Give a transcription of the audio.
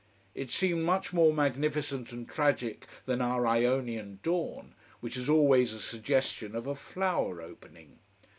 It seemed much more magnificent and tragic than our Ionian dawn, which has always a suggestion of a flower opening.